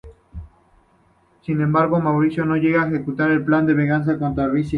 Sin embargo, Mauricio no llega a ejecutar su plan de venganza contra Ricci.